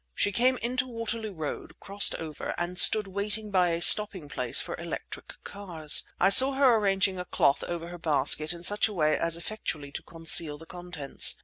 She came out into Waterloo Road, crossed over, and stood waiting by a stopping place for electric cars. I saw her arranging a cloth over her basket in such a way as effectually to conceal the contents.